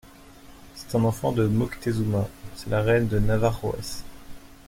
C'est un enfant de Moctezuma ; c'est la reine des Navajoes.